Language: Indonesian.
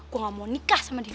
gue gak mau nikah sama dia